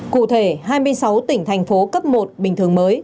cụ thể hai mươi sáu tỉnh thành phố cấp một bình thường mới